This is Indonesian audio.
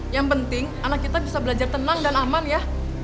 yang penting anak kita bisa belajar tenang dan aman ya